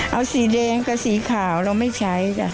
เอาสีแดงกับสีขาวเราไม่ใช้จ้ะ